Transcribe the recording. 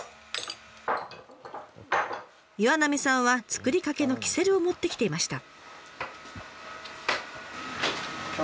岩浪さんは作りかけのキセルを持ってきていました。